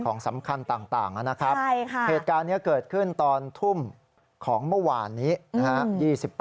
ของสำคัญต่างนะครับเหตุการณ์นี้เกิดขึ้นตอนทุ่มของเมื่อวานนี้นะฮะ